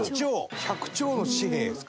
１００兆の紙幣ですか？